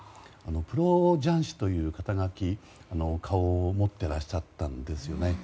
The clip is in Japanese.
プロ雀士という肩書、顔を持っていらっしゃったんですね。